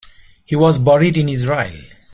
He was buried in Israel.